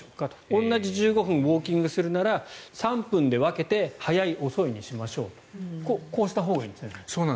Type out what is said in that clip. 同じ１５分ウォーキングするなら３分で分けて速い、遅いにしましょうこうしたほうがいいんですね。